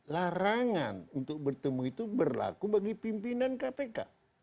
larangan untuk bertemu itu berlaku bagi pimpinan kpk